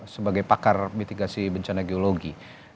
sebagai pakar mitigasi bencana geologi